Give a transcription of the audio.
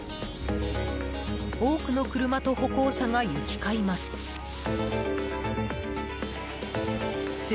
多くの車と歩行者が行き交います。